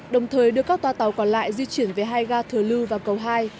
đồng thời đưa các toa tàu còn lại di chuyển về hai ga thừa lưu và cầu hai